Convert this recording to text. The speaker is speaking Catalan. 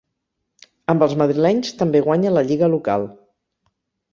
Amb els madrilenys també guanya la lliga local.